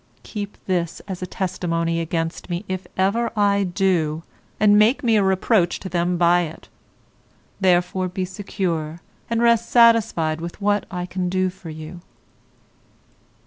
Keep this as a testimony against me if ever I do, and make me a reproach to them by it; therefore be secure, and rest satisfied with what I can do for you.